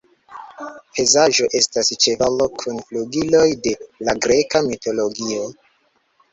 Pegazo estas ĉevalo kun flugiloj de la greka mitologio.